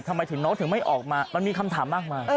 ทำไมถึงน้องถึงไม่ออกมามันมีคำถามมากมาย